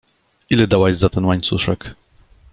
Ile dałaś za ten łańcuszek?